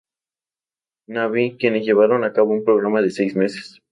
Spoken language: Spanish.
Navy, quienes llevaron a cabo un programa de seis meses.